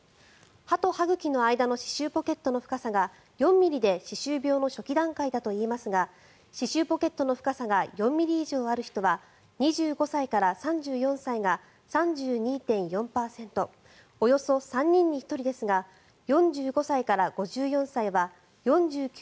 歯と歯茎の間の歯周ポケットの深さが４ｍｍで歯周病の初期段階だといいますが歯周ポケットの深さが４ｍｍ以上ある人は２５歳から３４歳が３２．４％およそ３人に１人ですが４４歳から５４歳は４９．５％。